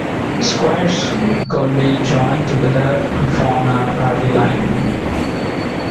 Squares could be joined together to form a battle line.